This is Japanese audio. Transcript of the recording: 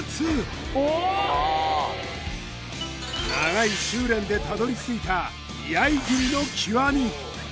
ああ長い修練でたどり着いた居合斬りの極み